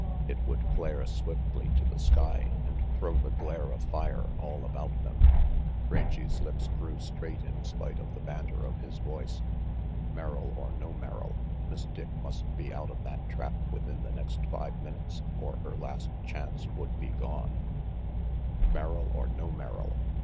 It would flare swiftly to the sky and throw the glare of fire all about them. Rangy's lips grew straight in spite of the banter of his voice. Merrill or no Merrill, Miss Dick must be out of that trap within the next five minutes or her last chance would be gone. Merrill or no Merrill!